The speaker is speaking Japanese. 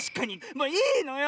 もういいのよ！